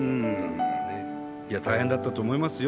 大変だったと思いますよ。